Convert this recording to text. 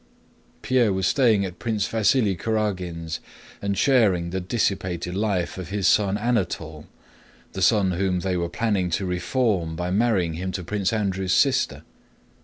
Pierre was staying at Prince Vasíli Kurágin's and sharing the dissipated life of his son Anatole, the son whom they were planning to reform by marrying him to Prince Andrew's sister.